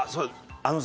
あのさ